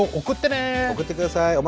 送ってください。